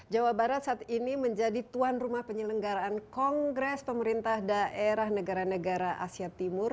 jawa barat saat ini menjadi tuan rumah penyelenggaraan kongres pemerintah daerah negara negara asia timur